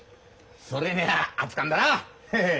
それにゃ熱かんだなヘヘッ。